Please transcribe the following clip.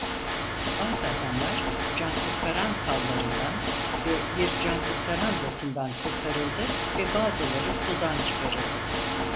Bazı adamlar cankurtaran sallarından ve bir cankurtaran botundan kurtarıldı ve bazıları sudan çıkarıldı.